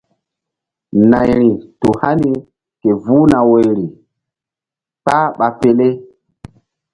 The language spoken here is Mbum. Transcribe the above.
Nayri tu hani ke vuh na woyri kpah ɓa pele.